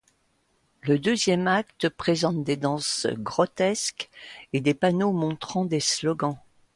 Le deuxième acte présente des danses grotesques, et des panneaux montrant des slogans.